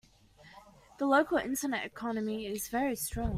The local internet economy is very strong.